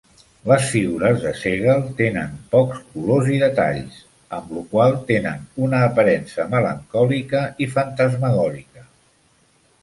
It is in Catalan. Les figures de Segal tenen pocs colors i detalls, amb lo qual tenien una aparença melancòlica i fantasmagòrica.